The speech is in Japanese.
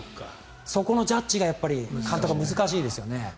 そこのジャッジが監督は難しいですよね。